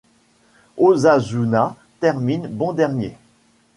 Osasuna termine bon dernier.